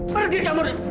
pergi kamu dari sini